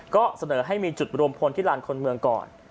ก็เสนอให้มีจุดรวมพลที่ลานคนเมืองก่อน